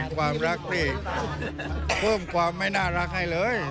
ความรักนี่เพิ่มความไม่น่ารักให้เลย